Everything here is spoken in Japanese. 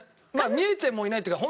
見えてもいないっていうか